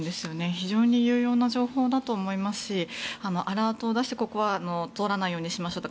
非常に有用な情報だと思いますしアラートを出して、ここは通らないようにしましょうとか。